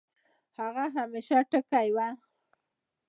هغه همېشه ټکے وۀ